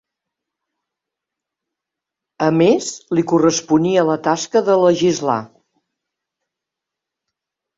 A més li corresponia la tasca de legislar.